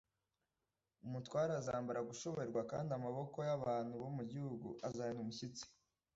Umutware azambara gushoberwa t kandi amaboko y abantu bo mu gihugu azahinda umushyitsi